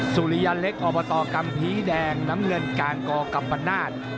สุริยะเล็กอบตกำผีแดงน้ำเงินกาลกอกับประนาท